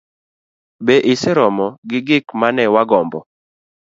Be iseromo gi gik ma ne wagombo?